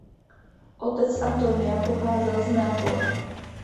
Otec Antonia pocházel z Neapole.